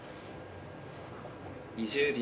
２０秒。